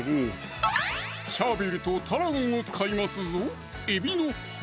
チャービルとタラゴンを使いますぞ